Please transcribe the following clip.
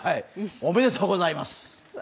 おめでとうございます。